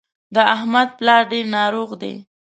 د احمد پلار ډېر ناروغ دی